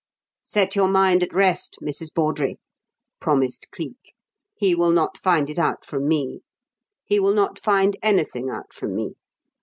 "Set your mind at rest, Mrs. Bawdrey," promised Cleek. "He will not find it out from me. He will not find anything out from me.